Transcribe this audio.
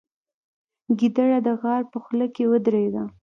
ګیدړه د غار په خوله کې ودرېده.